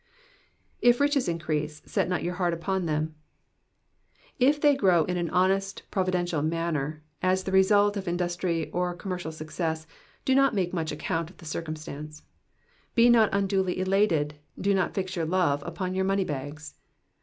7/* riches increase, set riot your heart upon them,''^ If they grow in an honest, providential manner, as the result of industry or commercial success, do not make much account of the circumstance ; be not unduly elated, do not fix your love upon your money bags.